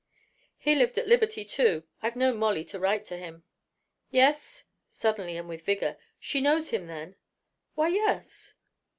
"He lived at Liberty, too. I've known Molly to write of him." "Yes?" suddenly and with vigor. "She knows him then?" "Why, yes."